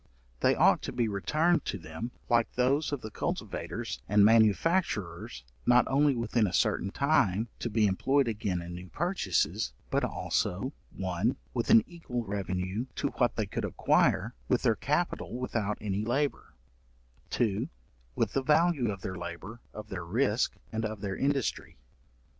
They ought to be returned to them, like those of the cultivators and manufacturers, not only within a certain time, to be employed again in new purchases, but also, 1. with an equal revenue to what they could acquire with their capital without any labour; 2. with the value of their labour, of their risk, and of their industry.